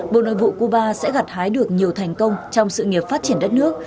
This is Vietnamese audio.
bộ nội vụ cuba sẽ gặt hái được nhiều thành công trong sự nghiệp phát triển đất nước